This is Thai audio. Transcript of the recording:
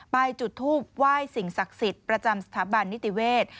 ไปจุดทูปไว้สินศักดิ์ศิษฐ์ประจำสถาบันนิติเวท